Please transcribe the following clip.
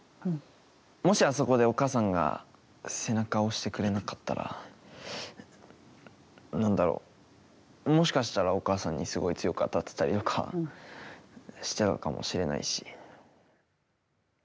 もし、あそこでお母さんが背中を押してくれなかったら何だろう、もしかしたらお母さんにすごい強くあたってたりとかしてたかもしれないし。